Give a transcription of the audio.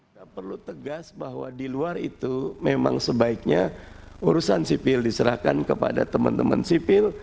kita perlu tegas bahwa di luar itu memang sebaiknya urusan sipil diserahkan kepada teman teman sipil